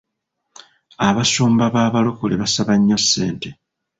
Abasumba b'Abalokole basaba nnyo ssente.